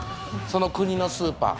その国のスーパー。